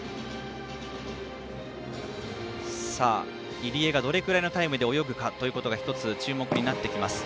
入江がどれくらいのタイムで泳ぐかというところが一つ、注目になってきます。